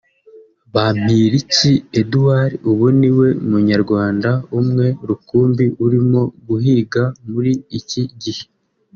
Bampiriki Eduard ubu niwe munyarwanda umwe rukumbi urimo kuhiga muri iki gihe